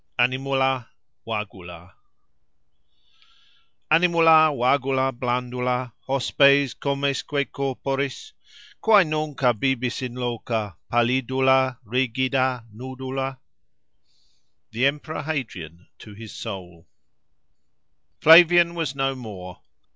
ANIMULA VAGULA Animula, vagula, blandula Hospes comesque corporis, Quae nunc abibis in loca? Pallidula, rigida, nudula. The Emperor Hadrian to his Soul Flavian was no more.